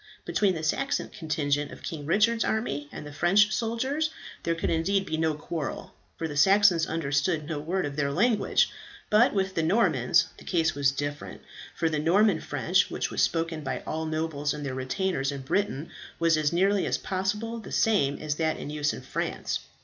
Between the Saxon contingent of King Richard's army and the French soldiers there could indeed be no quarrel, for the Saxons understood no word of their language; but with the Normans the case was different, for the Norman French, which was spoken by all the nobles and their retainers in Britain, was as nearly as possible the same as that in use in France.